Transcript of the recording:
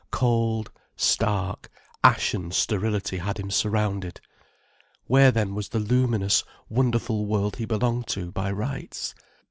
Cold, stark, ashen sterility had him surrounded. Where then was the luminous, wonderful world he belonged to by rights?